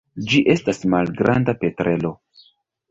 Ĝi estas malgranda petrelo.